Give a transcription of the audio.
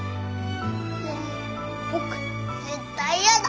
でも僕絶対やだ。